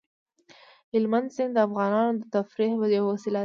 هلمند سیند د افغانانو د تفریح یوه وسیله ده.